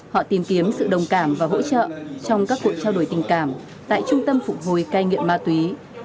họ tìm kiếm sự đồng cảm và hỗ trợ trong các cuộc trao đổi tình cảm tại trung tâm phục hồi cai nghiện ma túy